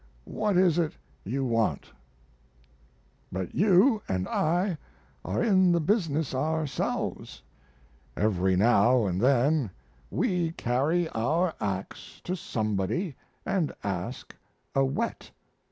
What is it you want?" But you and I are in the business ourselves. Every now and then we carry our ax to somebody and ask a whet.